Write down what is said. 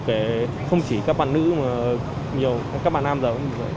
không chỉ các bạn nữ mà nhiều các bạn nam già cũng có thể